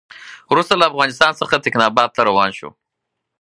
وروسته له افغانستان څخه تکیناباد ته روان شو.